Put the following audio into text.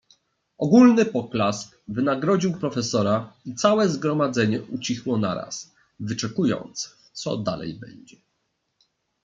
"Ogólny poklask wynagrodził profesora i całe zgromadzenie ucichło naraz, wyczekując, co dalej będzie."